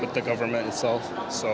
atau dengan pemerintah sendiri